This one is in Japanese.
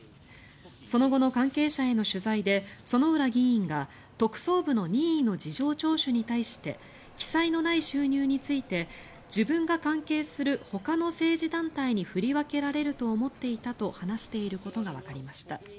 その後の関係者への取材で薗浦議員が特捜部の任意の事情聴取に対して記載のない収入について自分が関係するほかの政治団体に振り分けられると思っていたと話していることがわかりました。